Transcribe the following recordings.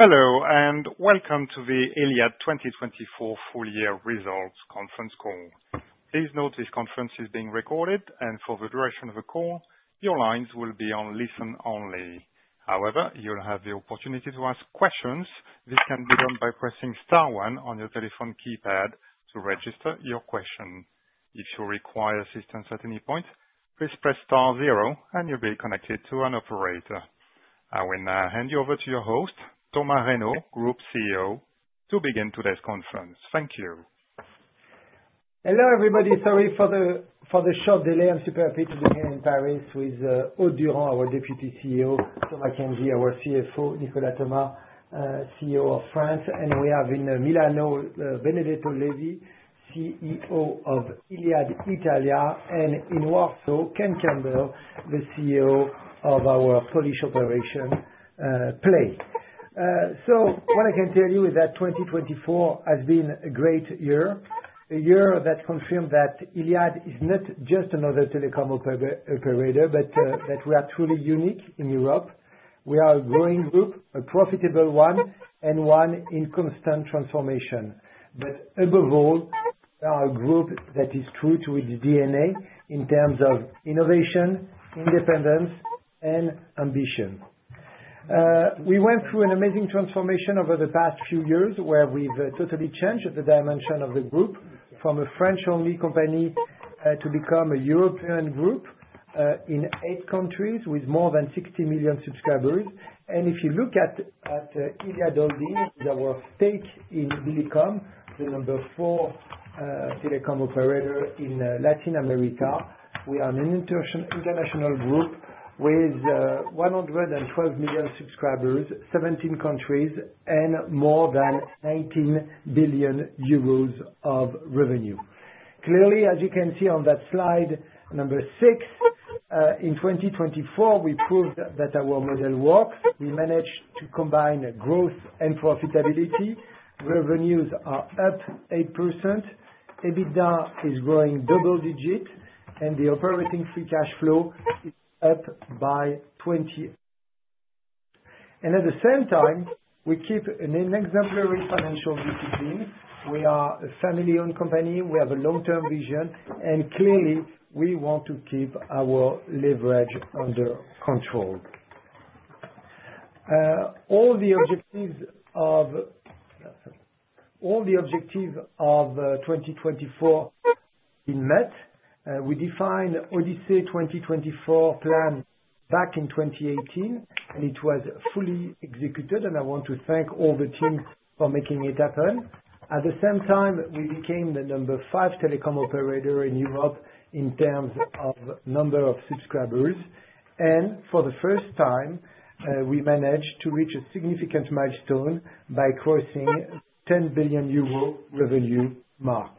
Hello and welcome to the iliad 2024 full-year results conference call. Please note this conference is being recorded and for the duration of the call your lines will be on listen-only. However, you'll have the opportunity to ask questions. This can be done by pressing star one on your telephone keypad to register your question. If you require assistance at any point, please press star zero and you'll be connected to an operator. I will now hand you over to your host, Thomas Reynaud, Group CEO, to begin today's conference. Thank you. Hello everybody. Sorry for the short delay. I'm super happy to be here in Paris with our Deputy CEO, Thomas Kienzi, our CFO, Nicolas Thomas, CEO of France. We have in Milan, Benedetto Levi, CEO of iliad Italia. In Warsaw, Ken Campbell, the CEO of our Polish operation Play. What I can tell you is that 2024 has been a great year. A year that confirmed that iliad is not just another telecom operator, but that we are truly unique in Europe. We are a growing group, a profitable one and one in constant transformation, but above all a group that is true to its DNA in terms of its innovation, independence and ambition. We went through an amazing transformation over the past few years where we've totally changed the dimension of the group from a French only company to become a European group in eight countries with more than 60 million subscribers. If you look at iliad today, there is a stake in Millicom, the number four telecom operator in Latin America. We are an international group with 112 million subscribers, 17 countries and more than 18 billion euros of revenue. Clearly, as you can see on that slide number six, in 2024 we proved that our model works. We managed to combine growth and profitability. Revenues are up 8%, EBITDA is growing double digit and the operating free cash flow is up by 20%. At the same time we keep an exemplary financial. We are a family owned company, we have a long term vision and clearly we want to keep our leverage under control. All the objectives of 2024 have been met. We defined Odyssey 2024 plan back in 2018 and it was fully executed and I want to thank all the team for making it happen. At the same time, we became the number five telecom operator in Europe in terms of number of subscribers. For the first time we managed to reach a significant milestone by crossing 10 billion euro revenue mark.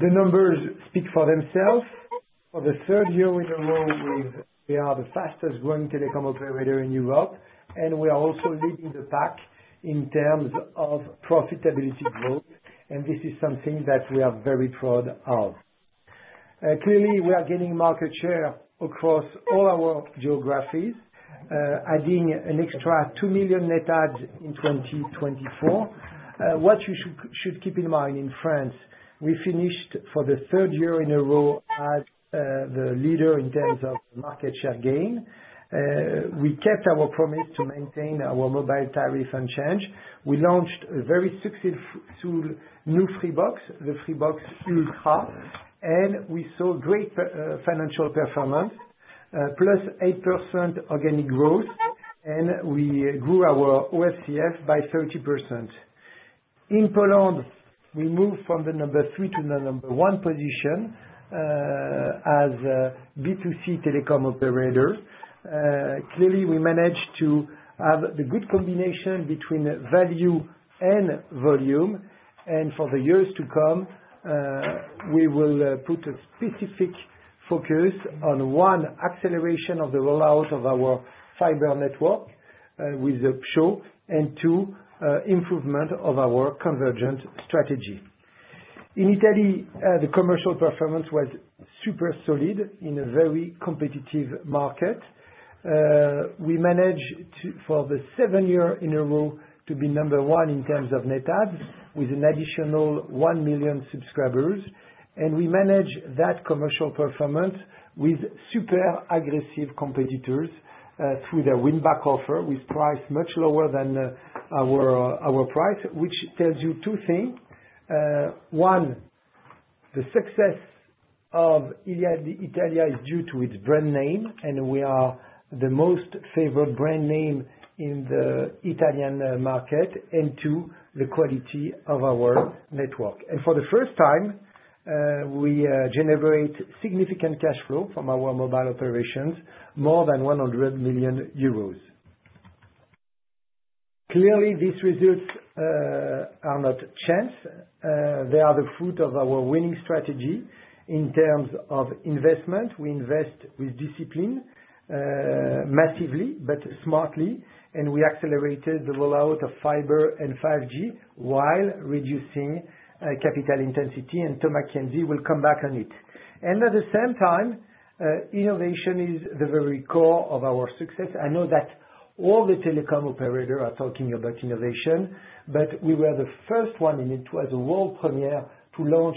The numbers speak for themselves. For the third year in a row, we are the fastest growing telecom operator in Europe. We are also leading the pack in terms of profitability growth and this is something that we are very proud of. Clearly we are gaining market share across all our geographies, adding an extra 2 million net adds in 2024. What you should keep in mind, in France we finished for the third year in a row as the leader in terms of market share gain. We kept our promise to maintain our mobile tariff and change. We launched a very successful new Freebox, the Freebox Ultra. We saw great financial performance, +8% organic growth, and we grew our OFCF by 30%. In Poland, we moved from the number three to the number one position as B2C telecom operator. Clearly we managed to have the good combination between value and volume. For the years to come we will put a specific focus on one, acceleration of the rollout of our fiber network with PSO and two, improvement of our convergent strategy. In Italy, the commercial performance was super solid in a very competitive market. We managed for the seventh year in a row to be number one in terms of net adds with an additional 1 million subscribers. We manage that commercial performance with super aggressive competitors through their win back offer with price much lower than our price. Which tells you two things. One, the success of iliad Italia is due to its brand name and we are the most favored brand name in the Italian market and to the quality of our network. For the first time we generate significant cash flow from our mobile operations, more than 100 million euros. Clearly these results are not chance, they are the fruit of our winning strategy in terms of investment. We invest with discipline, massively but smartly. We accelerated the rollout of fiber and 5G while reducing capital intensity. Thomas Kienzi will come back on it. At the same time, innovation is the very core of our success. I know that all the telecom operators are talking about innovation, but we were the first one in Italy as a world premier to launch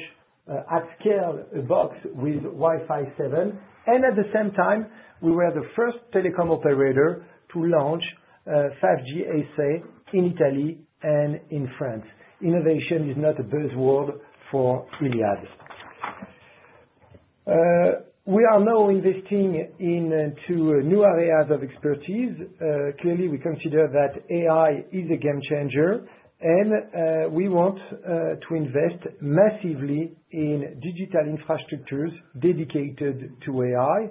at scale a box with Wi-Fi 7. At the same time we were the first telecom operator to launch 5G SA in Italy and in France. Innovation is not a buzzword for iliad. We are now investing into new areas of expertise. Clearly we consider that AI is a game-changer and we want to invest massively in digital infrastructures dedicated to AI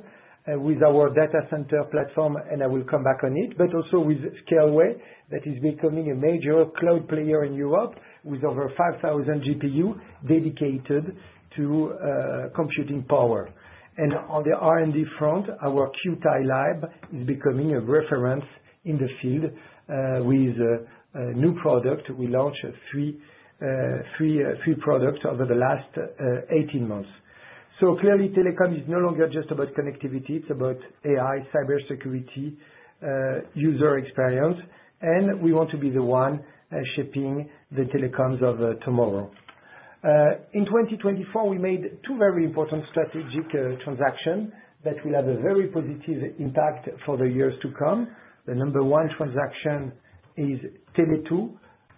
with our data center platform. I will come back on it, but also with Scaleway that is becoming a major cloud player in Europe with over 5,000 GPU dedicated to computing power. On the R&D front, our Kyutai lab is becoming a reference in the field with new product. We launched three products over the last 18 months. Clearly, telecom is no longer just about connectivity, it's about AI, cybersecurity, user experience, and we want to be the one shaping the telecoms of tomorrow. In 2024, we made two very important strategic transactions that will have a very positive impact for the years to come. The number one transaction is Tele2,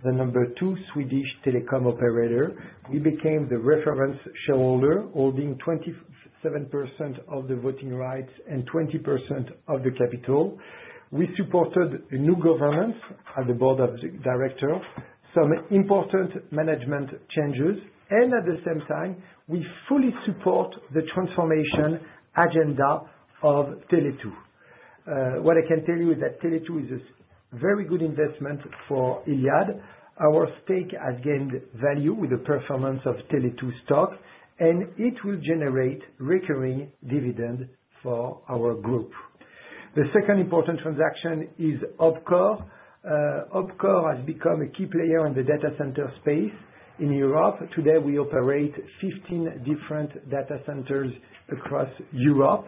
the number two Swedish telecom operator. We became the reference shareholder, holding 27% of the voting rights and 20% of the capital. We supported a new governance at the Board of Directors, some important management changes, and at the same time we fully support the transformation agenda of Tele2. What I can tell you is that Tele2 is a very good investment for iliad. Our stake has gained value with the performance of Tele2 stock and it will generate recurring dividend for our group. The second important transaction is OpCore. OpCore has become a key player in the data center space in Europe. Today we operate 15 different data centers across Europe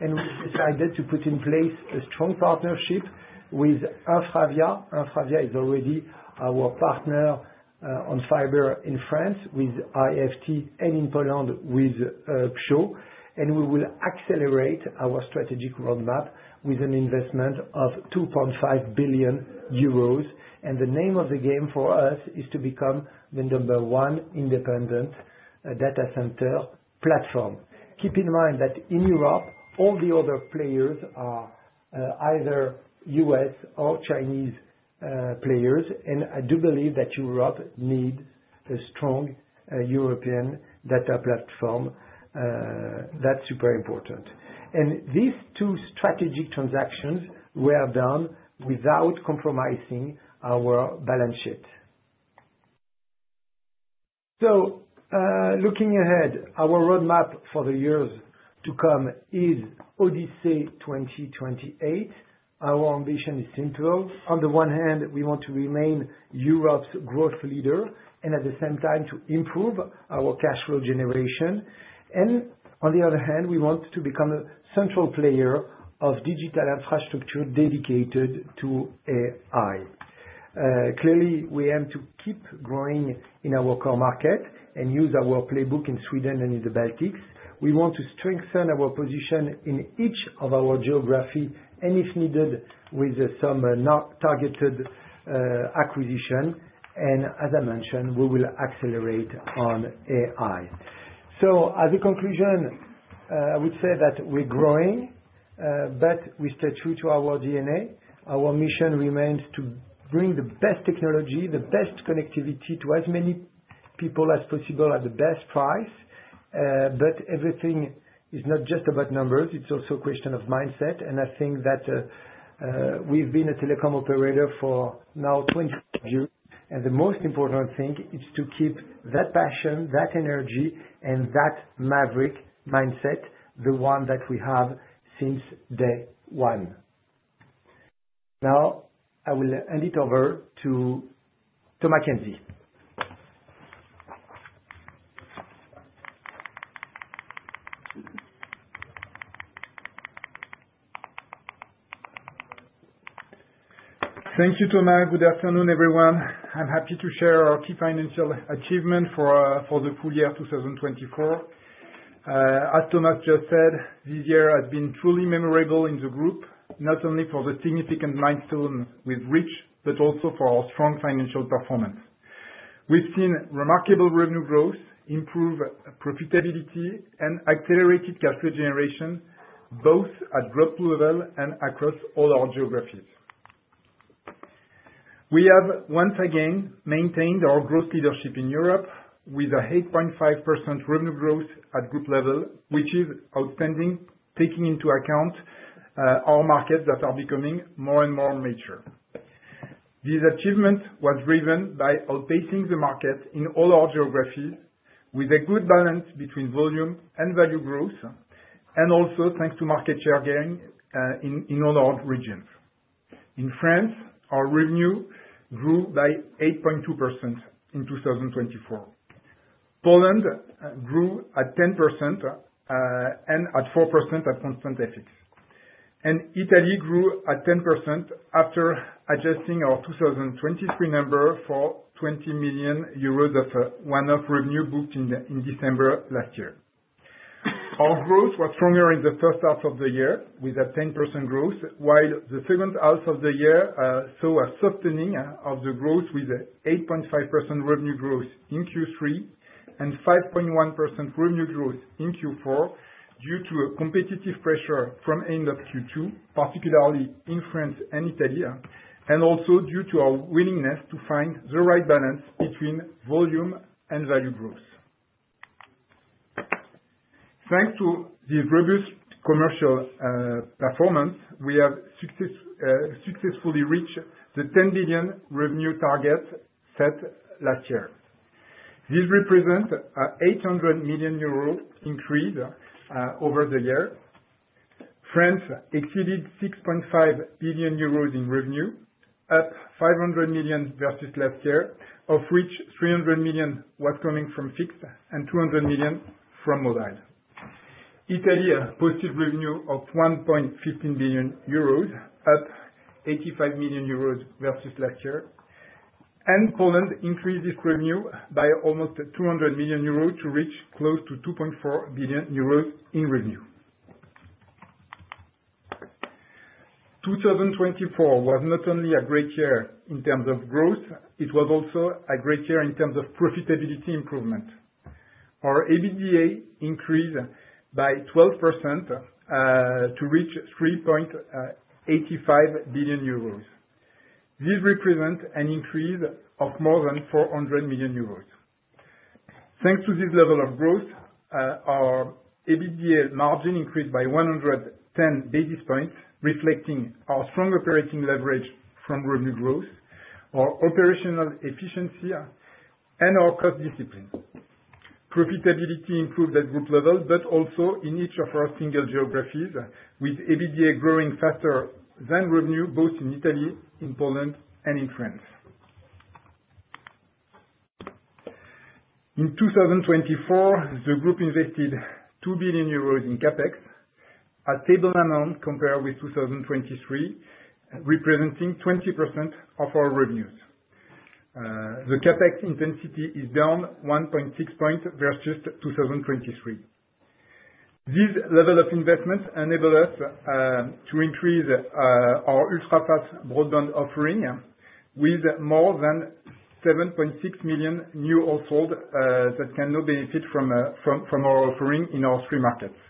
and we decided to put in place a strong partnership with InfraVia. InfraVia is already our partner on fiber, in France with IFT and in Poland with PŚO. We will accelerate our strategic roadmap with an investment of 2.5 billion euros. The name of the game for us is to become the number one independent data center platform. Keep in mind that in Europe, all the other players are either U.S. or Chinese players. I do believe that Europe needs a strong European data platform. That is super important. These two strategic transactions were done without compromising our balance sheet. Looking ahead, our roadmap for the years to come is Odyssey 2028. Our ambition is simple. On the one hand, we want to remain Europe's growth leader and at the same time to improve our cash flow generation. On the other hand, we want to become a central player of digital infrastructure dedicated to AI. Clearly, we aim to keep growing in our core market and use our playbook in Sweden and in the Baltics. We want to strengthen our position in each of our geography and if needed, with some targeted acquisition. As I mentioned, we will accelerate on AI. As a conclusion, I would say that we're growing, but we stay true to our DNA. Our mission remains to bring the best technology, the best connectivity to as many people as possible at the best price. Everything is not just about numbers. It's also a question of mindset. I think that we've been a telecom operator for now 20 and the most important thing is to keep that passion, that energy and that maverick mindset. The one that we have since day one. Now I will hand it over to Thomas Kienzi. Thank you, Thomas. Good afternoon everyone. I'm happy to share our key financial achievement for the full year 2024. As Thomas just said, this year has been truly memorable in the group, not only for the significant milestones we've reached, but also for our strong financial performance. We've seen remarkable revenue growth, improved profitability and accelerated cash flow generation both at group level and across all our geographies. We have once again maintained our growth leadership in Europe with a 8.5% revenue growth at group level which is outstanding taking into account our markets that are becoming more and more mature. These achievements were driven by outpacing the market in all our geographies with a good balance between volume and value growth and also thanks to market share gain in all our regions. In France, our revenue grew by 8.2% in 2024. Poland grew at 10% and at 4% at constant FX and Italy grew at 10%. After adjusting our 2023 number for 20 million euros of one-off revenue booked in December last year, our growth was stronger in the first half of the year with a 10% growth, while the second half of the year saw a softening of the growth with 8.5% revenue growth in Q3 and 5.1% revenue growth in Q4. Due to competitive pressure from end of Q2, particularly in France and Italy, and also due to our willingness to find the right balance between volume and value growth. Thanks to the robust commercial performance, we have successfully reached the 10 billion revenue target set last year. These represent a 800 million euro increase over the years. France exceeded 6.5 billion euros in revenue, up 500 million versus last year, of which 300 million was coming from fixed and 200 million from mobile. Italy posted revenue of 1.15 billion euros, up 85 million euros versus last year, and Poland increased its revenue by almost 200 million euros to reach close to 2.4 billion euros in revenue. 2024 was not only a great year in terms of growth, it was also a great year in terms of profitability improvement. Our EBITDA increased by 12% to reach 3.85 billion euros. This represents an increase of more than 400 million euros. Thanks to this level of growth, our EBITDA margin increased by 110 basis points, reflecting our strong operating leverage from revenue growth, our operational efficiency, and our cost discipline. Profitability improved at group level but also in each of our single geographies with EBITDA growing faster than revenue both in Italy, in Poland and in France. In 2024 the group invested 2 billion euros in CapEx, a stable amount compared with 2023 representing 20% of our revenues. The CapEx intensity is down 1.6 percentage points versus 2023. These levels of investment enable us to increase our ultra fast broadband offering with more than 7.6 million new households that can now benefit from our offering in our three markets.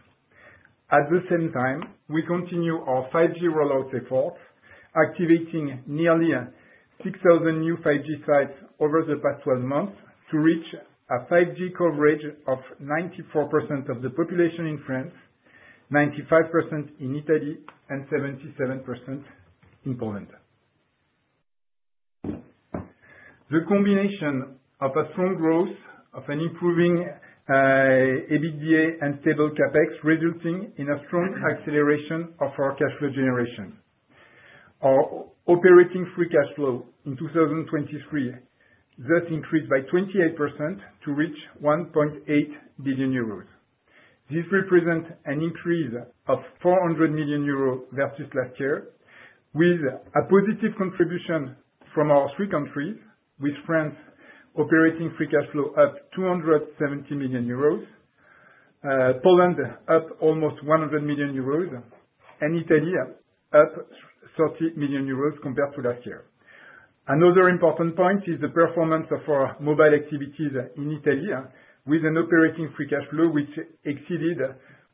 At the same time, we continue our 5G rollout efforts, activating nearly 6,000 new 5G sites over the past 12 months to reach a 5G coverage of 94% of the population in France, 95% in Italy and 77% in Poland. The combination of a strong growth of an improving EBITDA and stable CapEx resulting in a strong acceleration of our cash flow generation. Our operating free cash flow in 2023 thus increased by 28% to reach 1.8 billion euros. This represents an increase of 400 million euros versus last year with a positive contribution from our three countries with France operating free cash flow up 270 million euros, Poland up almost 100 million euros and Italia up 30 million euros compared to last year. Another important point is the performance of our mobile activities in Italy with an operating free cash flow which exceeded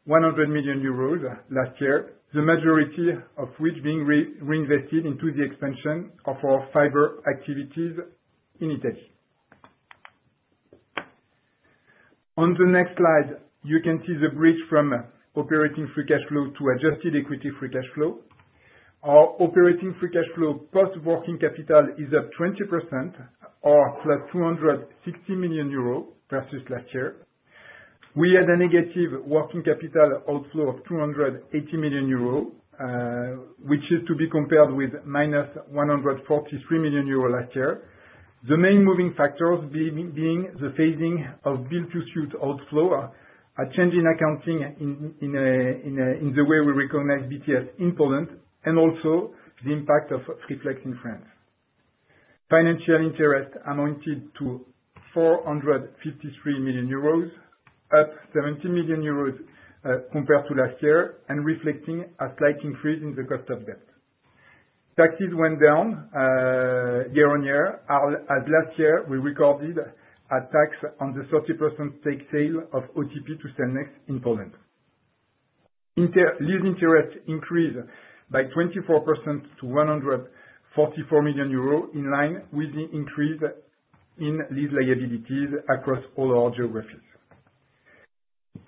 100 million euros last year, the majority of which being reinvested into the expansion of our fiber activities in Italy. On the next slide you can see the bridge from operating free cash flow to adjusted equity free cash flow. Our operating free cash flow post working capital is up 20% or 260 million euros versus last year. We had a negative working capital outflow of 280 million euros, which is to be compared with -143 million euros last year. The main moving factors being the phasing of outflow, a change in accounting in the way we recognize BTS in Poland, and also the impact of Free Flex in France. Financial interest amounted to 453 million euros, up 70 million euros compared to last year and reflecting a slight increase in the cost of debt. Taxes went down year-on-year as last year we recorded tax on the 30% take sale of OTP to Cellnex. In Poland, lease interest increased by 24% to 144 million euros in line with the increase in lease liabilities across all our geographies.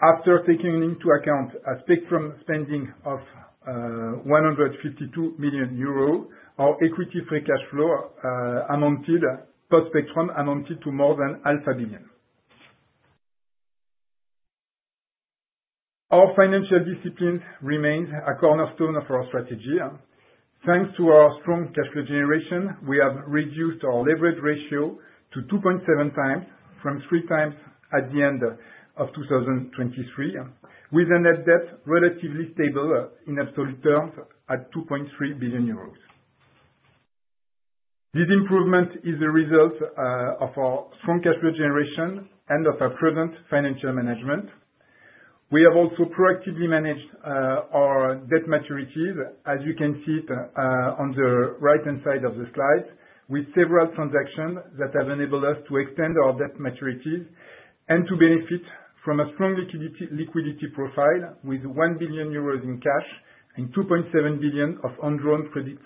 After taking into account a spectrum spending of 152 million euro, our equity-free cash flow amounted to per spectrum amounted to more than. Our financial discipline remains a cornerstone of our strategy. Thanks to our strong cash flow generation we have reduced our leverage ratio to 2.7x from 3x at the end of 2023 with a net debt relatively stable in absolute terms at 2.3 billion euros. This improvement is the result of our strong cash flow generation and of our present financial management. We have also proactively managed our debt maturities as you can see on the right hand side of the slide, with several transactions that have enabled us to extend our debt maturities and to benefit from a strong liquidity profile with 1 billion euros in cash and 2.7 billion of undrawn credit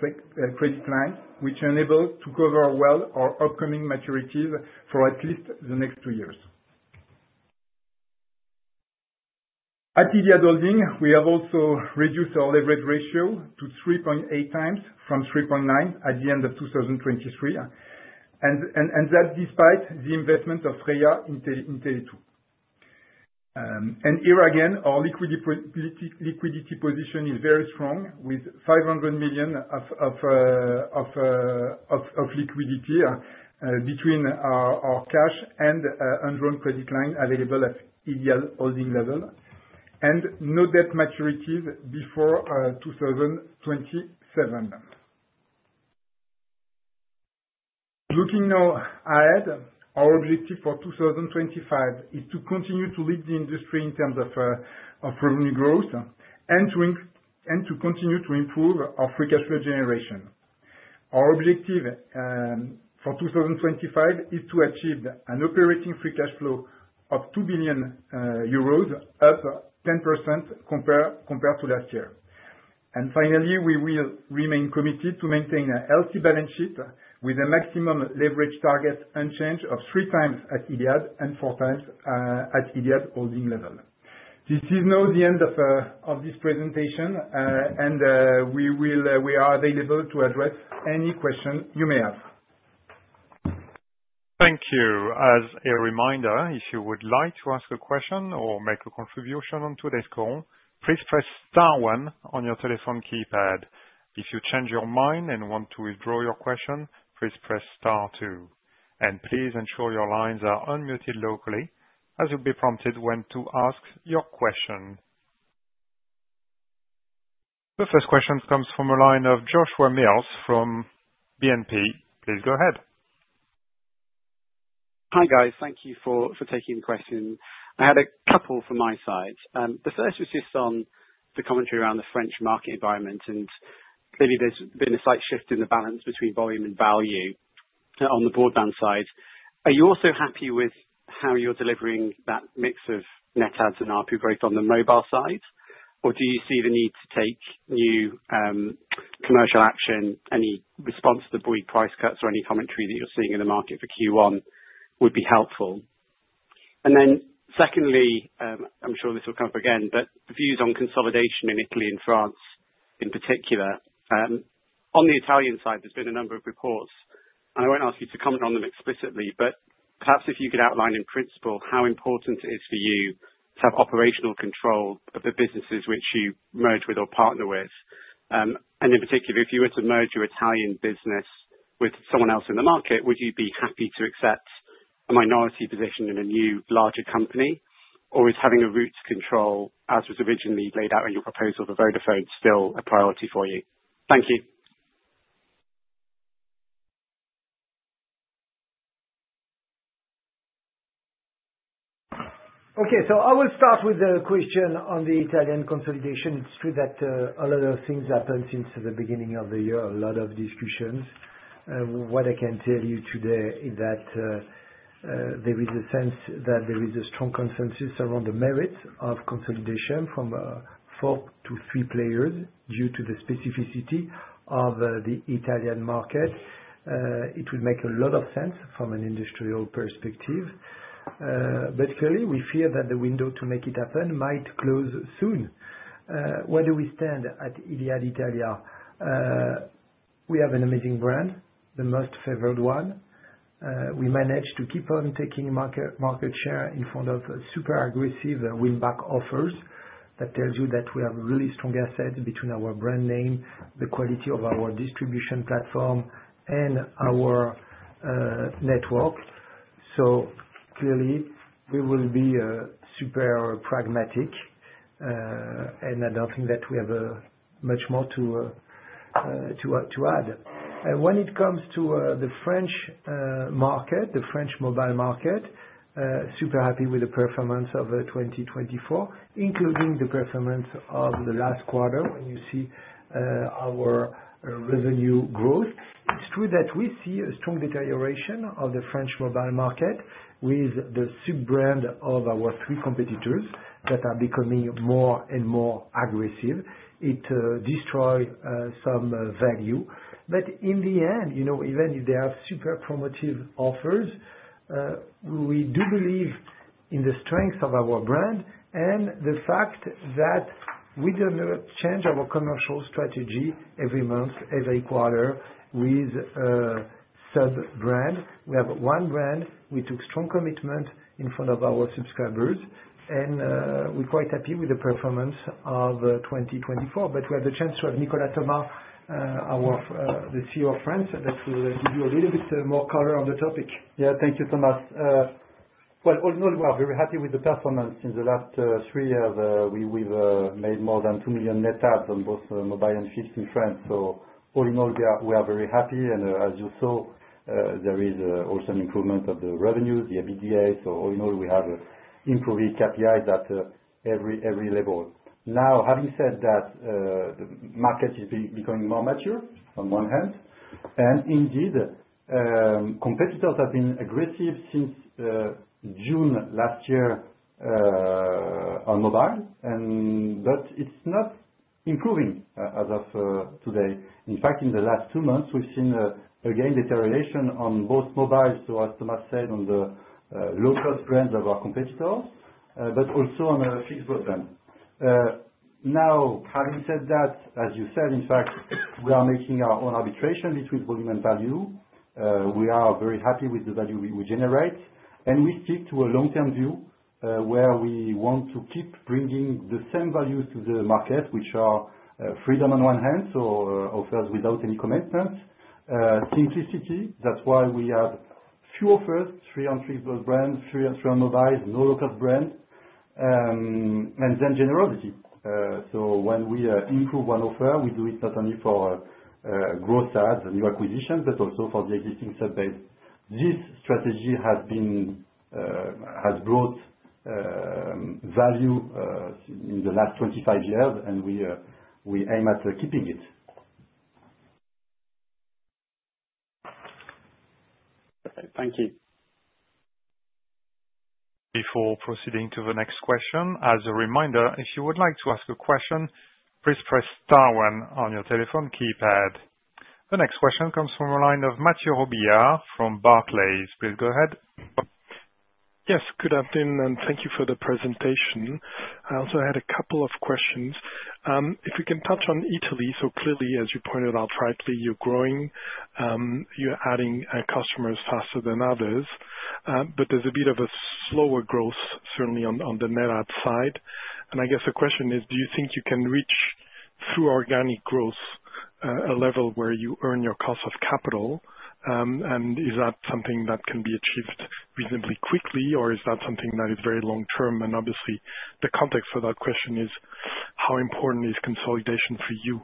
lines which enable to cover well our upcoming maturities for at least the next two years. At iliad Holding we have also reduced our leverage ratio to 3.8x from 3.9x at the end of 2023 and that despite the investment of Freya in Tele2 and here again our liquidity position is very strong with 500 million of liquidity between our cash and undrawn credit line available at iliad Holding level and no debt maturities before 2027. Looking now ahead, our objective for 2025 is to continue to lead the industry in terms of revenue growth and to continue to improve our free cash flow generation. Our objective for 2025 is to achieve an operating free cash flow of 2 billion euros, up 10% compared to last year. Finally, we will remain committed to maintaining a healthy balance sheet with a maximum leverage target unchanged of 3x at iliad and 4x at iliad Holding level. This is now the end of this presentation and we are available to address any question you may. Thank you. As a reminder, if you would like to ask a question or make a contribution on today's call, please press star one on your telephone keypad. If you change your mind and want to withdraw your question, please press star two. Please ensure your lines are unmuted locally as you'll be prompted when to ask your question. The first question comes from a line of Joshua Mills from BNP. Please go. Ahead. Hi guys, thank you for taking the question. I had a couple from my side. The first was just on the commentary around the French market environment and maybe there's been a slight shift in the balance between volume and value on the broadband side. Are you also happy with how you're delivering that mix of net adds and ARPU growth on the mobile side or do you see the need to take new commercial action? Any response to the Bouygues price cuts or any commentary that you're seeing in the market for Q1 would be helpful. Secondly, I'm sure this will come up again, but views on consolidation in Italy and France in particular, on the Italian side, there's been a number of reports and I won't ask you to comment on them explicitly, but perhaps if you could outline in principle how important it is for you to have operational control of the businesses which you merge with or partner with. In particular, if you were to merge your Italian business with someone else in the market, would you be happy to accept a minority position in a new larger company? Or is having a roots control, as was originally laid out in your proposal, the Vodafone, still a priority for you? Thank you. Okay, so I will start with a question on the Italian consolidation. It's true that a lot of things happened since the beginning of the year. A lot of discussions. What I can tell you today is that there is a sense that there is a strong consensus around the merits of consolidation from four to three players due to the specificity of the Italian market. It will make a lot of sense from an industrial perspective, but clearly we fear that the window to make it happen might close soon. Where do we stand at iliad Italia? We have an amazing brand, the most favored one. We managed to keep on taking market share in front of super aggressive win back offers. That tells you that we have really strong assets between our brand name, the quality of our distribution platform and our network. Clearly we will be super pragmatic. I do not think that we have much more to add when it comes to the French market. The French mobile market, super happy with the performance of 2024, including the performance of the last quarter. When you see our revenue growth, it is true that we see a strong deterioration of the French mobile market with the sub brand of our three competitors that are becoming more and more aggressive, it destroys some value. In the end, even if they have super promotive offers, we do believe in the strength of our brand and the fact that we do not change our commercial strategy every month. Every quarter with sub brand we have one brand. We took strong commitment in front of our subscribers and we are quite happy with the performance of 2024. We have the chance to have Nicolas Thomas, the CEO of France. That will give you a little bit more color on the topic. Yeah, thank you, Thomas. All in all we are very happy with the. Performance. In the last three years we've made more than 2 million net adds on both mobile and fixed in France. All in all we are very happy. As you saw, there is also an improvement of the revenues, the EBITDA. We have improving KPI at every level. Now, having said that, the market is becoming more mature on one hand and indeed competitors have been aggressive since June last year on mobile, but it's not improving as of today. In fact, in the last two months we've seen again deterioration on both mobile. As Thomas said, on the low cost brands of our competitors, but also on fixed broadband. Now, having said that, as you said, in fact we are making our own arbitration between volume and value. We are very happy with the value we generate and we stick to a long term view where we want to keep bringing the same values to the market, which are freedom on one hand. Offers without any commitment, simplicity. That is why we have few offers, three entry plus brands, three on mobiles, no local brands, and then generosity. When we improve one offer, we do it not only for gross adds and new acquisitions, but also for the existing sub base. This strategy has brought value in the last 25 years and we aim at keeping it. Thank you. Before proceeding to the next question, as a reminder, if you would like to ask a question, please press star one on your telephone keypad. The next question comes from the line of Mathieu Robillard from Barclays. Please go ahead. Yes, good afternoon and thank you for the presentation. I also had a couple of questions. If we can touch on Italy. Clearly, as you pointed out, rightly you're growing, you're adding customers faster than others, but there's a bit of a slower growth certainly on the net adds side. I guess the question is, do you think you can reach through organic growth, a level where you earn your cost of capital and is that something that can be achieved reasonably quickly or is that something that is very long term? Obviously the context for that question is how important is consolidation for you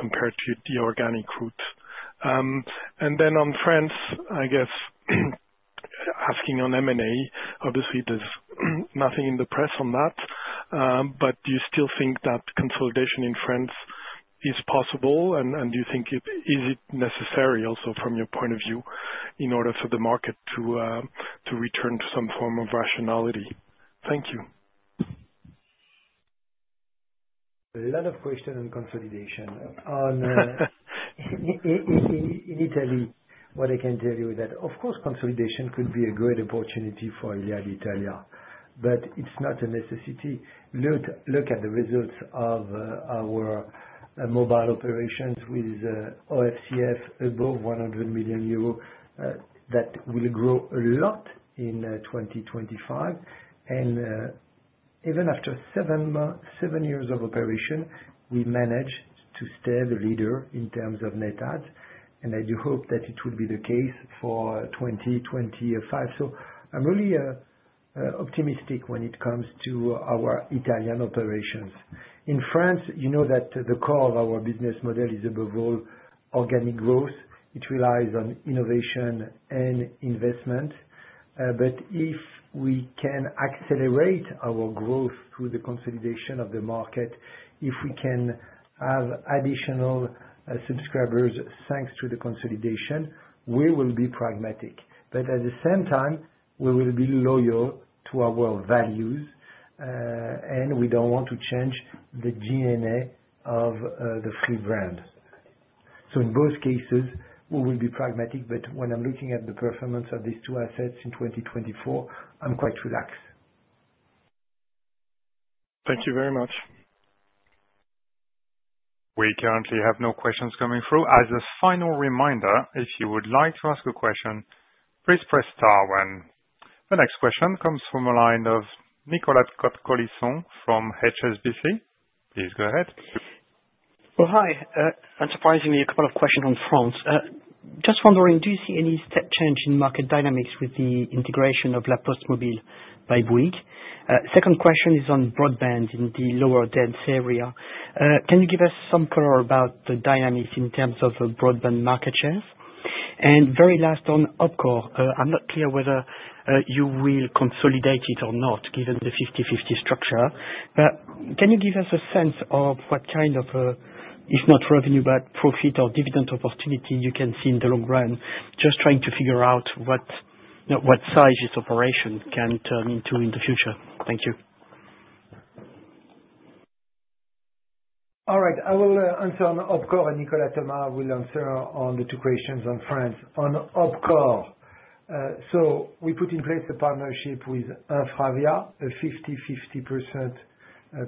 compared to the organic route? On France, I guess asking on M&A, obviously there's nothing in the press on that. Do you still think that consolidation in France is possible and do you think is it necessary also from your point of view, in order for the market to return to some form of rationality? Thank you. You. A lot of question and consolidation in Italy. What I can tell you is that of course consolidation could be a great opportunity for iliad Italia, but it's not a necessity. Look at the results of our mobile operations with OFCF above 100 million euros, that will grow a lot in 2025. Even after seven years of operation we managed to stay the leader in terms of net adds, and I do hope that it will be the case for 2025. I am really optimistic. When it comes to our Italian operations in France, you know that the core of our business model is above all organic growth. It relies on innovation and investment. If we can accelerate our growth through the consolidation of the market, if we can have additional subscribers thanks to the consolidation, we will be pragmatic, but at the same time we will be loyal to our values and we do not want to change the DNA of the Free brand. In both cases we will be pragmatic. When I am looking at the performance of these two assets in 2024, I am quite. Relaxed. Thank you. Very much We currently have no questions coming through. As a final reminder, if you would like to ask a question, please press star one. The next question comes from a line of Nicolas Cote-Colisson from HSBC. Please go. Ahead. Hi. Unsurprisingly, a couple of questions on France. Just wondering, do you see any step change in market dynamics with the integration of La Poste Mobile by Bouygues? Second question is on broadband in the lower dense area. Can you give us some color about dynamics in terms of broadband market shares? And very last on OpCore. I'm not clear whether you will consolidate it or not, given the 50%-50% structure, but can you give us a sense of what kind of, if not revenue, but profit or dividend opportunity you can see in the long run. Just trying to figure out what size this operation can turn into in the future. Thank you. All right, I will answer on OpCore and Nicolas Thomas will answer on the two questions on France, on OpCore. We put in place a partnership with InfraVia, a 50%-50%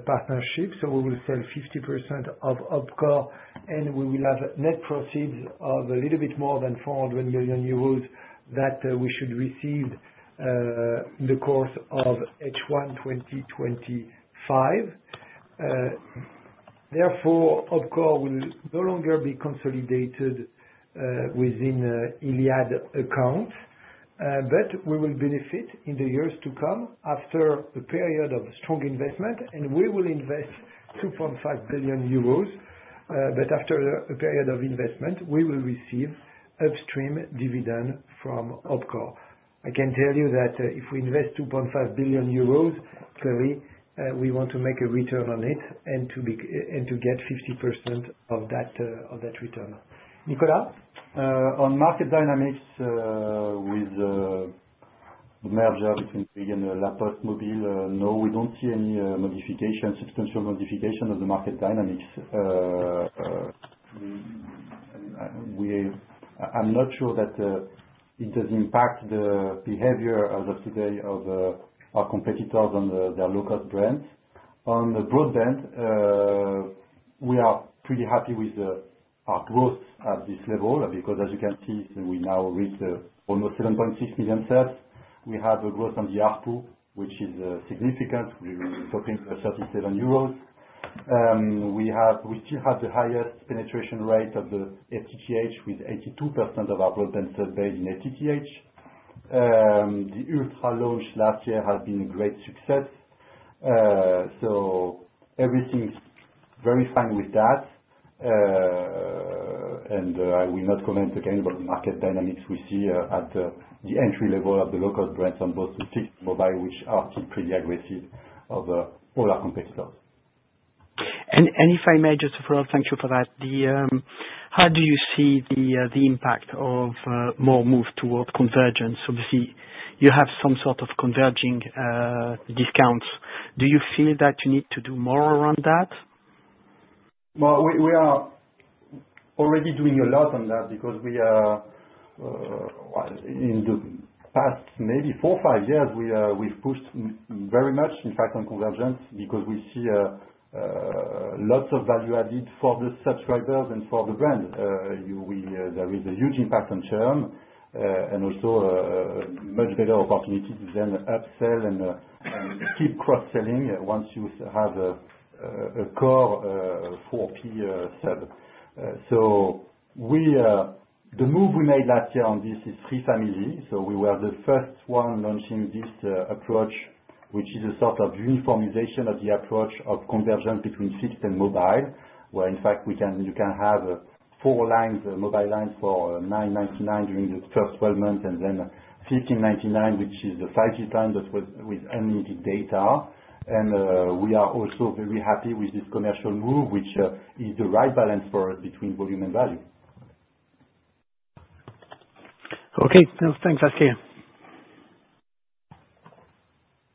partnership. We will sell 50% of OpCore and we will have net proceeds of a little bit more than 400 million euros that we should receive in the course of H1 2025. Therefore, OpCore will no longer be consolidated within iliad account, but we will benefit in the years to come after a period of strong investment and we will invest 2.5 billion euros. After a period of investment, we will receive upstream dividend from OpCore. I can tell you that if we invest 2.5 billion euros, clearly we want to make a return on it and to get 50% of that. Return. Nicolas. On market dynamics, with the merger between Bouygues and La Poste Mobile, no, we do not see any modification, substantial modification of the market dynamics. I am not sure that it does impact the behavior as of today of our competitors on their low cost brands on the broadband, we are pretty happy with our growth at this level because as you can see we now reach almost 7.6 million subs. We have a growth on the ARPU which is significant. We will be stopping 37 euros. We still have the highest penetration rate of the FTTH with 82% of our broadband subs in FTTH. The Ultra launch last year has been a great success, everything is very fine with that. I will not comment again about the market dynamics we see at the entry level of the local brands on both cities mobile, which are still pretty aggressive overall competitors. If I may just a follow, thank you for that. How do you see the impact of more move towards convergence? Obviously you have some sort of converging discounts. Do you feel that you need to do more around that? We are already doing a. Lot on that because we. Are in. The past maybe four, five years we've pushed very much in fact on convergence because we see lots of value added for the subscribers and for the brand. There is a huge impact on churn and also much better opportunity to then upsell and keep cross selling once you have a curve for pen. The move we made last year on this is three families. We were the first one launching this approach which is a sort of uniformization of the approach of convergence between fixed and mobile, where in fact you can have four mobile lines for 9.99 during the first 12 months and then 15.99, which is the 5G line with unlimited data. We are also very happy with this commercial move which is the right balance for us between volume and value. Okay, thanks.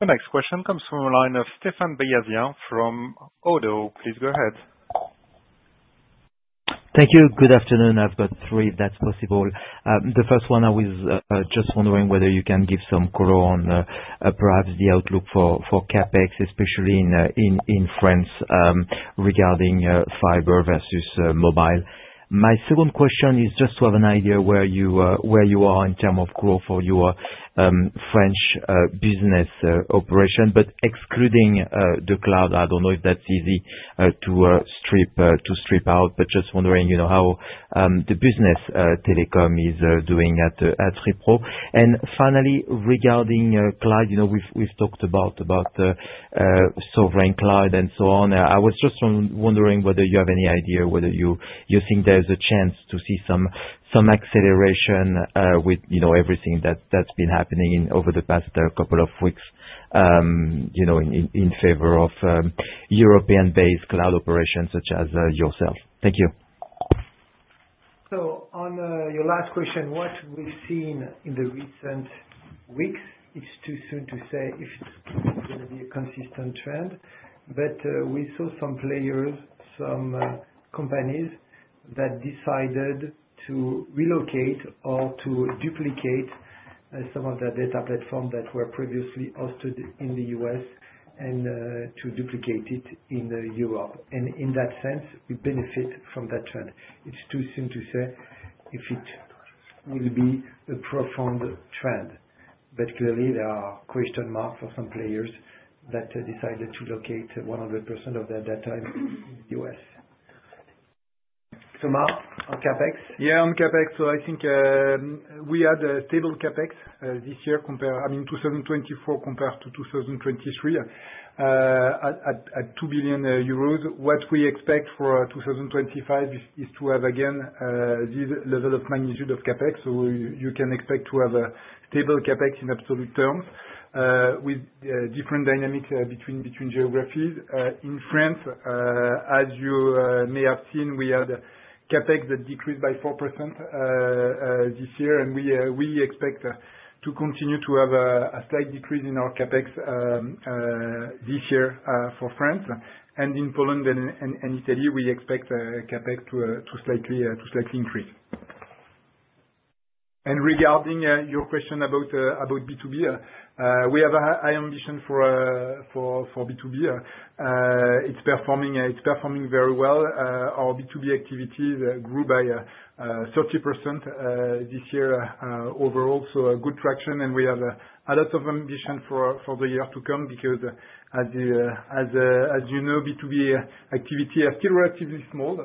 The next question comes from the line of Stéphane Beyazian from ODDO. Please go. Ahead. Thank you. Good afternoon. I've got three if that's possible. The first one, I was just wondering whether you can give some color on perhaps the outlook for CapEx, especially in France, regarding fiber versus mobile. My second question is just to have an idea where you are in term of growth for your French business operation, but excluding the cloud. I don't know if that's easy to strip out, but just wondering how the business telecom is doing at Free Pro. And finally regarding cloud, we've talked about, about the sovereign cloud and so on. I was just wondering whether you have any idea whether you think there's a chance to see some acceleration with everything that's been happening over the past couple of weeks in favor of European based cloud operations such as Yourself. Thank. On your last question, what we've seen in the recent weeks, it's too soon to say if it's going to be a consistent trend, but we saw some players, some companies that decided to relocate or to duplicate some of their data platforms that were previously hosted in the U.S. and to duplicate it in Europe. In that sense we benefit from that trend. It's too soon to say if it will be a profound trend, but clearly there are question marks for some players that decided to locate 100% of their data in the U.S. Thomas, on CapEx. Yeah, on CapEx. I think we had a stable CapEx this year compared, I mean 2024 compared to 2023 at 2 billion euros. What we expect for 2025 is to have again the level of magnitude of CapEx. You can expect to have a stable CapEx in absolute terms with different dynamics between geographies. In France, as you may have seen, we had CapEx that decreased by 4% this year and we expect to continue to have a slight decrease in our CapEx this year for France and in Poland and Italy we expect CapEx to slightly increase. Regarding your question about B2B, we have a high ambition for B2B. It's performing very well. Our B2B activities grew by 30% this year overall. A good track and we have a lot of ambition for the year to come because, as you know, B2B activity are still relatively small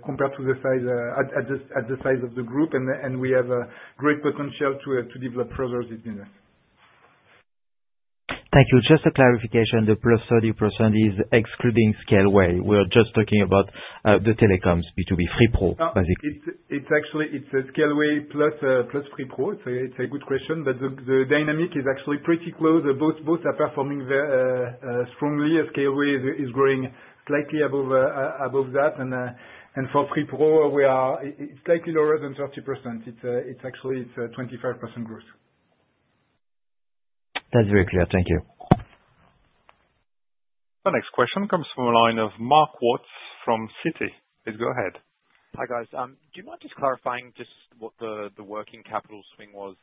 compared to the size of the group and we have great potential to develop further this business. Thank you. Just a clarification. The +30% is excluding Scaleway. We are just talking about the telecoms B2 Free Pro. Basically it's actually, it's a Scaleway plus Free Pro growth. So it's a good question but the dynamic is actually pretty close. Both are performing strongly. Scaleway is growing slightly above that and for Free Pro we are slightly lower than 30%. It's actually 25% growth. That's very clear. Thank you. The next question comes from the line of Mark Watts from Citi. Please go. Ahead. Guys. Do you mind just clarifying just what the working capital swing was,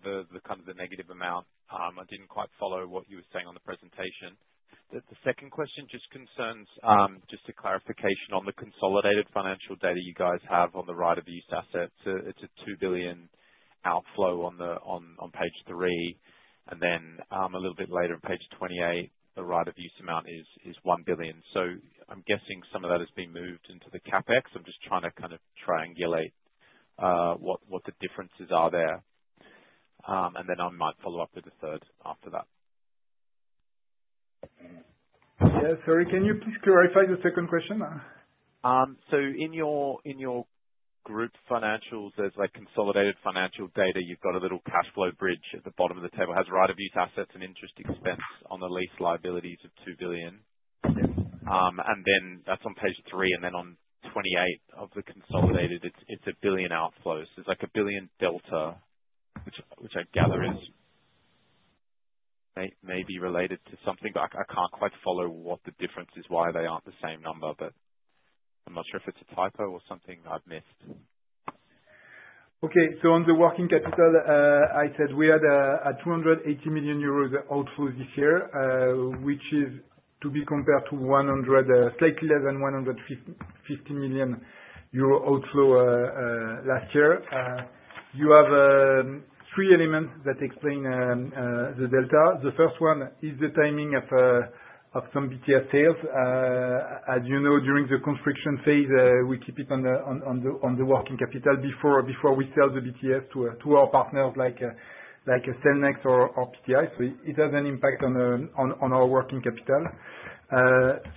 kind of the negative amount. I didn't quite follow what you were saying on the presentation. The second question just concerns just a clarification on the consolidated financial data you guys have on the right of use assets. It's a 2 billion outflow on page three and then a little bit later on page 28, the right of use amount is 1 billion. So I'm guessing some of that has been moved into the CapEx. I'm just trying to kind of triangulate what the differences are there and then I might follow up with a third after. Yes, sorry, can you please clarify the second question? In your group financials there's like consolidated financial data. You've got a little cash flow bridge at the bottom of the table that has right of use assets and interest expense on the lease liabilities of the. Then that's on page three. Then on 28 of the consolidated, it's a billion outflows. It's like a billion delta, which I gather is maybe related to something, but I can't quite follow what the difference is, why they aren't the same number. I am not sure if it's a typo or something I've missed. Okay, on the working capital, I said we had 280 million euros outflow this year, which is to be compared to slightly less than 150 million euro outflow last year. You have three elements that explain the delta. The first one is the timing of some BTS sales. As you know, during the construction phase, we keep it on the working capital before we sell the BTS to our partners like Cellnex or PTI. It has an impact on our working capital.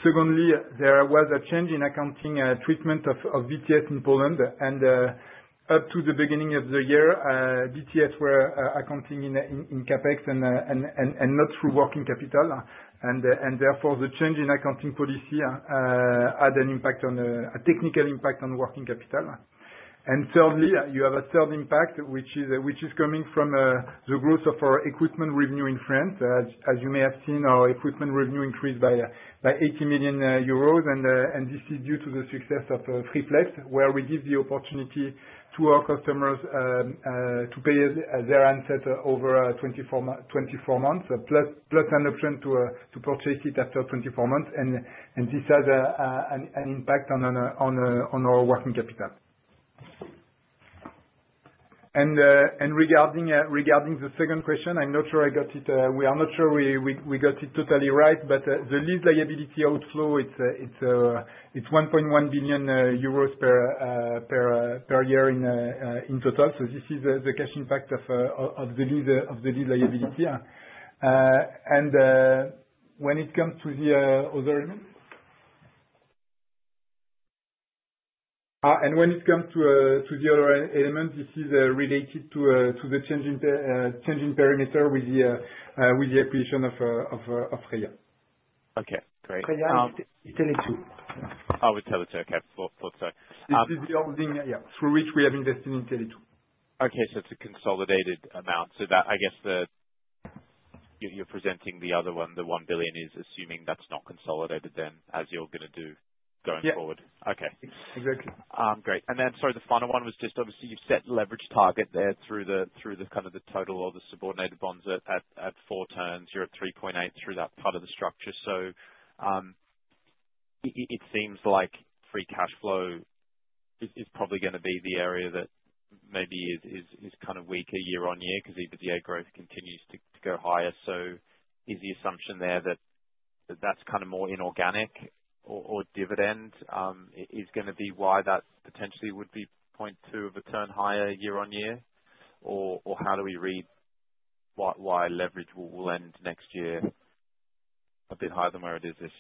Secondly, there was a change in accounting treatment of BTS in Poland. Up to the beginning of the year, BTS were accounted in CapEx and not through working capital. Therefore, the change in accounting policy had a technical impact on working capital. Thirdly, you have a third impact which is coming from the growth of our equipment revenue in France. As you may have seen, our equipment revenue increased by 80 million euros. This is due to the success of Free Flex where we give the opportunity to our customers to pay their handset over 24 months plus an option to purchase it after 24 months. This has an impact on our working capital. Regarding the second question, I'm not sure I got it. We are not sure we got it totally right. The lease liability outflow, it's 1.1 billion euros per year in total. This is the cash impact of the lease liability. When it comes to the other elements, and when it comes to the other element, this is related to the change in perimeter with the acquisition of Freya. Okay. Great. Tele2. Oh, with Tele2. Okay. This is the holding through which we have invested in Tele2 Okay. It is a consolidated amount. I guess you are presenting the other one, the 1 billion, assuming that is not consolidated then as you are going to do going. Forward. Okay. Exactly. Great. Sorry, the final one was just obviously you've set leverage target there through the kind of the total or the subordinated bonds at four turns. You're at 3.8 through that part of the structure. It seems like free cash flow is probably going to be the area that maybe is kind of weaker year-on-year because EBITDA growth continues to go higher. Is the assumption there that that's kind of more inorganic or dividend is going to be why that potentially would be 0.2 of a turn higher year-on-year, or how do we read why leverage will end next year a bit higher than where it is this.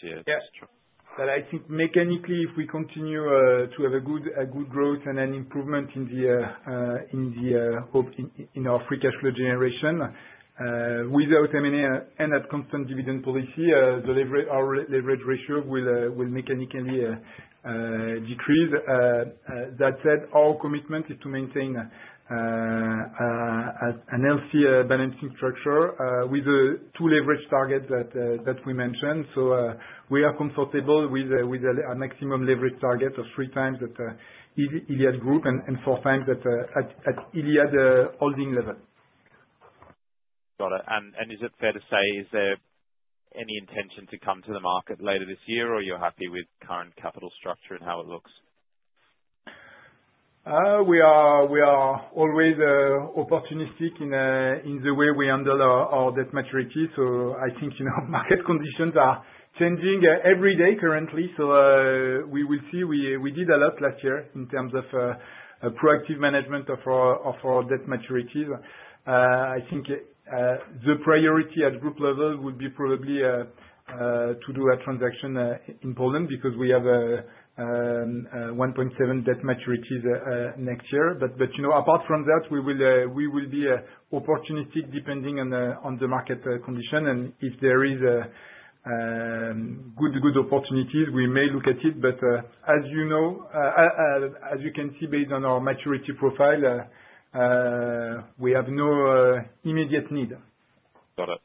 I think mechanically if we continue to have a good growth and an improvement in our free cash flow generation without M&A and at constant dividend policy, our leverage ratio will mechanically decrease. That said, our commitment is to maintain a healthy balancing structure with the two leverage targets that we mentioned. We are comfortable with a maximum leverage target of 3x at iliad Group and 4x at iliad Holding. Got it. Is it fair to say, is there any intention to come to the market later this year or you're happy with current capital structure and how it is? We are always opportunistic in the way we handle all that maturity. I think, you know, market conditions are changing every day currently. We will see. We did a lot last year in terms of proactive management of our debt maturities. I think the priority at group level would be probably to do a transaction in Poland because we have 1.7 billion debt maturities next year. Apart from that we will be opportunistic depending on the market condition and if there are good opportunities we may look at it. As you know, as you can see based on our maturity profile we have no immediate. Got it.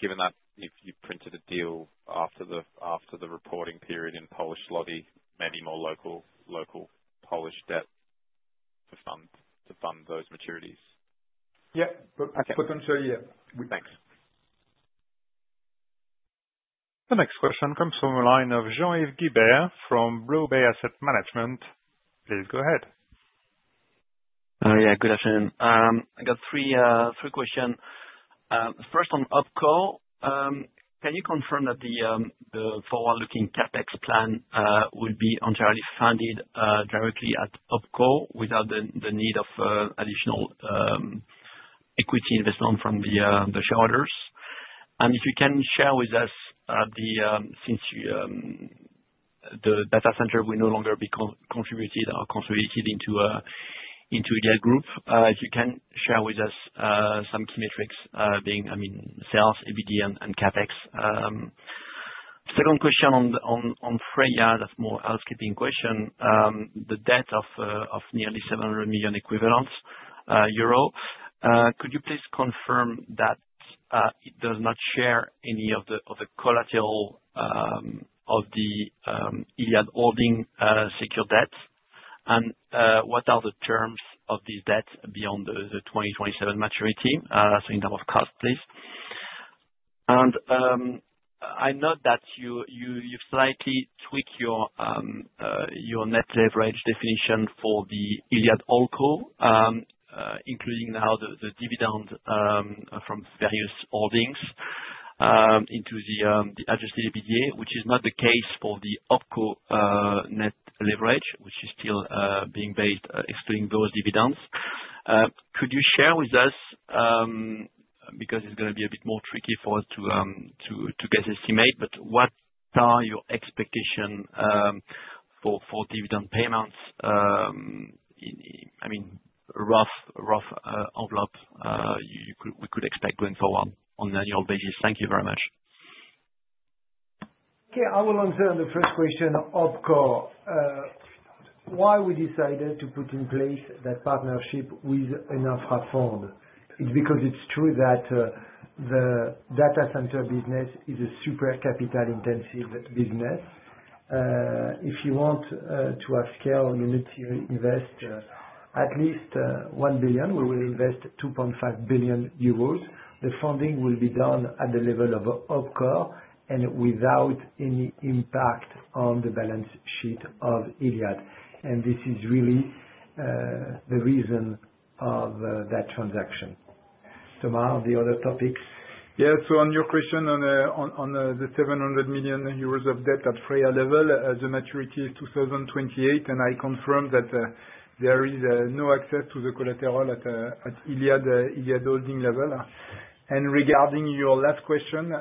Given that if you printed a deal after the reporting period in Polish zloty, maybe more local, local Polish debt to fund those. Maturities. Yeah. Potentially. Thanks. The next question comes from the line of Jean-Yves Guibert from BlueBay Asset Management. Please go ahead. Yeah, good afternoon. I got three questions. First on OpCore, can you confirm that the forward-looking CapEx plan would be entirely funded directly at OpCore without the need of additional equity investment from the shareholders? If you can share with us, since the data center will no longer be contributed or contributed into iliad Group, if you can share with us some key metrics being sales, EBITDA, and CapEx. Second question on Freya, that's more housekeeping question. The debt of nearly 700 million euro equivalent, could you please confirm that it does not share any of the collateral of the iliad Holding secured debts and what are the terms of these debts beyond the 2027 maturity in terms of cost please. I note that you slightly tweak your net leverage definition for the iliad [Holdco] including now the dividend from various holdings into the Adjusted EBITDA, which is not the case for the OpCore net leverage, which is still being based excluding those dividends. Could you share with us, because it's going to be a bit more tricky for us to guess, estimate, but what are your expectations for dividend payments? I mean, rough envelope we could expect going forward on an annual basis. Thank you very much. Okay, I will answer the first question, OpCore, why we decided to put in place that partnership with InfraVia. It's because it's true that the data center business is a super capital intensive business. If you want to upscale, you need to invest at least 1 billion. We will invest 2.5 billion euros. The funding will be done at the level of OpCore and without any impact on the balance sheet of iliad, and this is really the reason of that transaction. Thomas, the other topic. Yes. On your question on the 700 million euros of debt at Freya level, the maturity is 2028 and I confirm that there is no access to the collateral at iliad Holding level. Regarding your last question,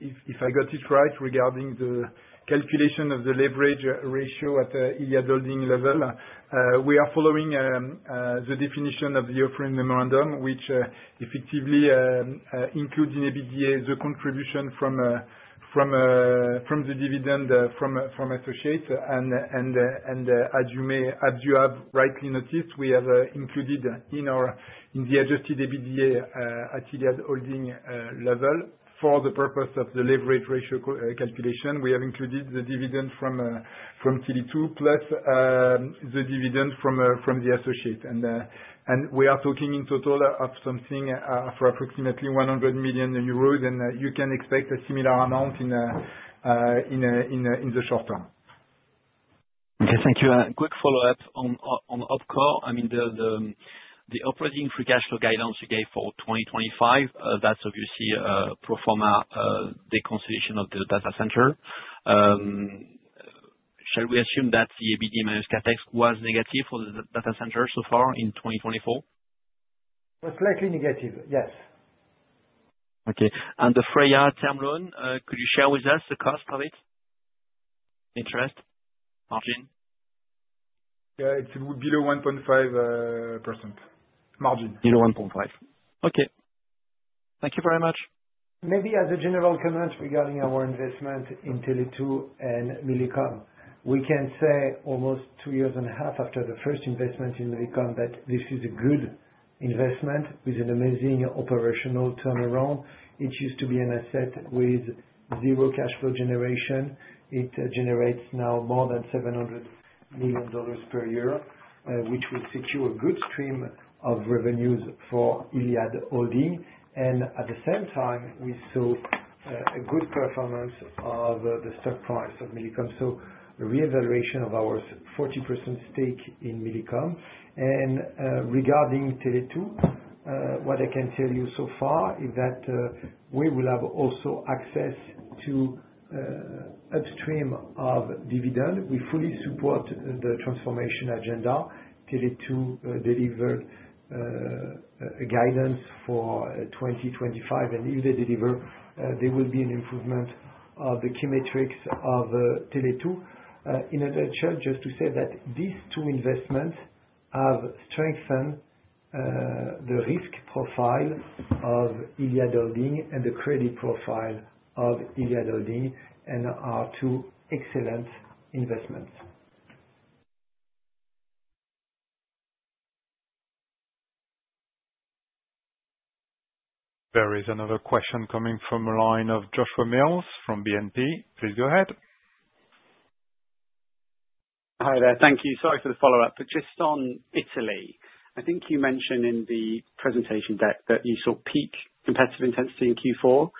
if I got it right, regarding the calculation of the leverage ratio at iliad Holding level, we are following the definition of the offering memorandum, which effectively includes in EBITDA the contribution from the dividend from associates. As you have rightly noticed, we have included in the Adjusted EBITDA at iliad Holding level for the purpose of the leverage ratio calculation the dividend from Tele2 plus the dividend from the associate, and we are talking in total of something for approximately 100 million euros and you can expect a similar amount in the short term. Okay, thank. You. Quick follow up on OpCore. I mean the operating free cash flow guidance you gave for 2025, that's obviously pro forma deconsolidation of the data center. Shall we assume that the EBITDA CapEx was negative for the data center so far in 2024? SLightly negative. Yes. Okay. The Freya term loan, could you share with us the cost of it? Interest margin? Yeah, it's below 1.5%. Margin. Below. 1.5%. Okay. Thank you very much. Much. Maybe as a general comment, regarding our investment in Tele2 and Millicom, we can say almost two years and a half after the first investment in Millicom that this is a good investment with an amazing operational turnaround. It used to be an asset with zero cash flow generation. It generates now more than $700 million per year, which will secure a good stream of revenues for iliad Holding. At the same time we saw a good performance of the stock price of Millicom. A revaluation of our 40% stake in Millicom and rev. Regarding Tele2, what I can tell you so far is that we will have also access to upstream of dividend. We fully support the transformation agenda. Tele2. Deliver guidance for 2025 and if they deliver, there will be an improvement of the key metrics of Tele2. In a nutshell, just to say that these two investments have strengthened the risk profile of iliad and the credit profile of iliad and are two excellent. Investments. There is another question coming from a line of Joshua Mills from BNP. Please go. Hi there. Thank you. Sorry for the follow up, but just on Italy, I think you mentioned in the presentation deck that you saw peak competitive intensity in Q4.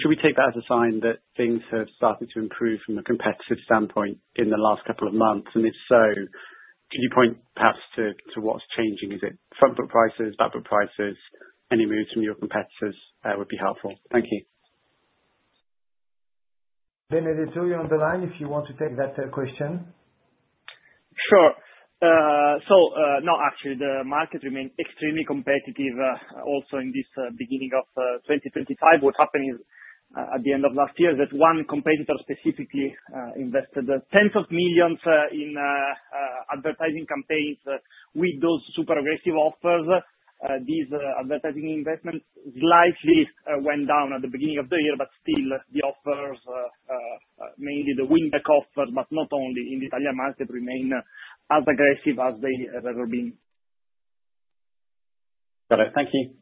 Should we take that as a sign that things have started to improve from a competitive standpoint in the last couple of months? If so, could you point perhaps to what's changing? Is it front book prices, back book prices? Any moves from your competitors would be helpful. Thank you. You. Benedetto, you're on the line if you want to take that. Sure. No, actually the market remains extremely competitive also in this beginning of 2025. What happened is at the end of last year that one competitor specifically invested tens of millions in advertising campaigns with those super aggressive offers. These advertising investments slightly went down at the beginning of the year, but still the offers, mainly the win-back offer, but not only in the Italian market, remain as aggressive as they have ever been. Thank you.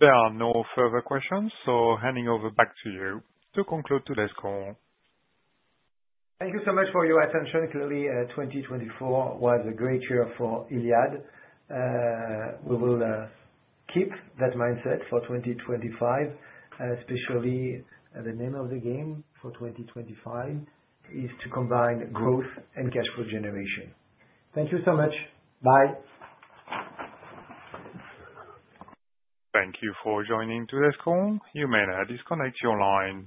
There are no further questions. Handing over back to you to conclude today's. Call. Thank you so much for your attention. Clearly 2024 was a great year for iliad. We will keep that mindset for 2025 especially. The name of the game for 2025 is to combine growth and cash flow generation. Thank you so much. Bye. Thank you for joining today's call. You may now disconnect your lines.